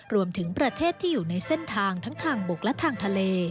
รวมถึงประเทศที่อยู่ในเส้นทางทั้งทางบกและทางทะเล